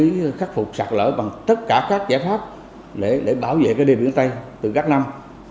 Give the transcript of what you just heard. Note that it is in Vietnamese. trong quá trình xử lý khắc phục sạt lở bằng tất cả các giải pháp để bảo vệ đê biển ở tây từ các năm